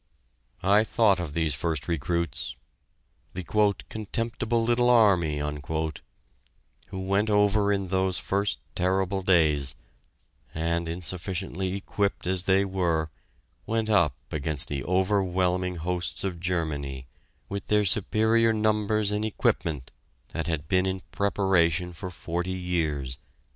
I thought of these first recruits the "contemptible little army" who went over in those first terrible days, and, insufficiently equipped as they were, went up against the overwhelming hosts of Germany with their superior numbers and equipment that had been in preparation for forty years....